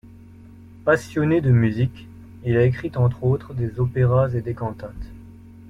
Passionné de musique, il a écrit entre autres des opéras et des cantates.